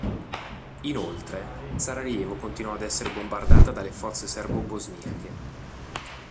Inoltre, Sarajevo continuò ad essere bombardata dalle forze serbo-bosniache.